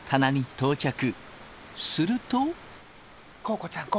すると。